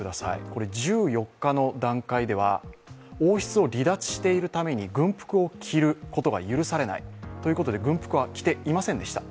これ１４日の段階では、王室を離脱しているために軍服を着ることが許されないということで軍服は着ていませんでした。